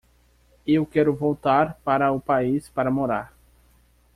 Eu quero voltar para o país para morar.